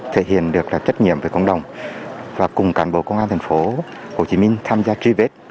thể hiện được trách nhiệm với cộng đồng và cùng cản bộ công an thành phố hồ chí minh tham gia tri vết